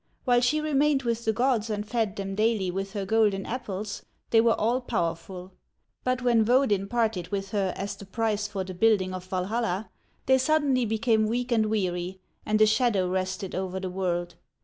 While she remained with the gods and fed them daily with her golden apples they were all powerful ; but when Wodin parted with her as the price for the building of Walhalla, they suddenly became weak and weary, and a shadow rested over the world.